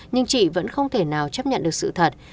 nhưng chị vẫn không thể nào chấp nhận được sự thật